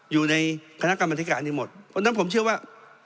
อยู่ในคณะกรรมาติการที่หมดดังนั้นผมเชื่อว่า